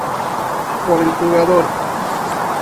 Por el jugador.